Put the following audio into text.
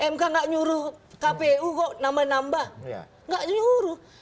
mk gak nyuruh kpu kok nambah nambah